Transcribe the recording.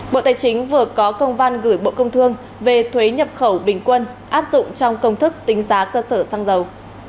bộ tài chính vừa có công văn gửi bộ công thương về thuế nhập khẩu bình quân áp dụng trong công thức tính giá cơ sở xăng dầu